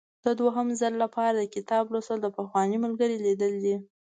د دوهم ځل لپاره د کتاب لوستل د پخواني ملګري لیدل دي.